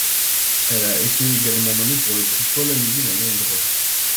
Elle a été également nommmée pour le Prix Paul Hamilyn à Londres.